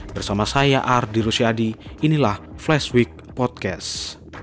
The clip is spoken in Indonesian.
bersama saya ardy rusyadi inilah flashweek podcast